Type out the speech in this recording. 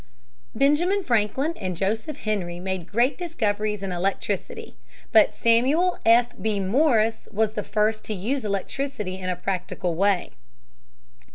Benjamin Franklin and Joseph Henry made great discoveries in electricity. But Samuel F. B. Morse was the first to use electricity in a practical way.